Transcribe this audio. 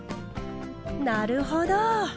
なるほど！